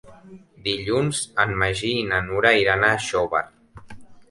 Dilluns en Magí i na Nura iran a Xóvar.